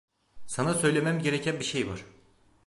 Sana söylemem gereken bir şey var.